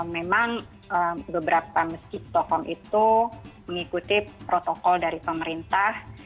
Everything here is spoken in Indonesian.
memang beberapa mesjid stockholm itu mengikuti protokol dari pemerintah